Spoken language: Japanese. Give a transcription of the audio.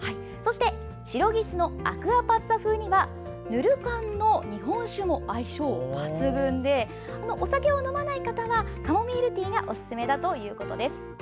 シロギスのアクアパッツァ風にはぬるかんの日本酒も相性抜群でお酒を飲まない方はカモミールティーがおすすめだということです。